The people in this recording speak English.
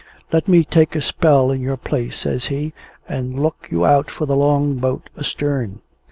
"Let me take a spell in your place," says he. "And look you out for the Long boat astern.